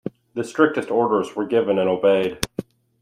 The strictest orders were given and obeyed.